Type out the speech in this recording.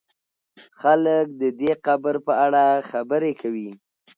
خلک د دې قبر په اړه خبرې کوي.